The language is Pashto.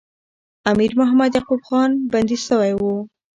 امیر محمد یعقوب خان بندي سوی وو.